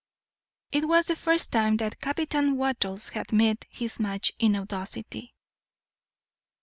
It was the first time Captain Wattles had met his match in audacity.